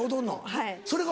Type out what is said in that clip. はい。